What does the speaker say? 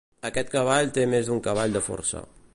Aquest cavall té més d'un cavall de força.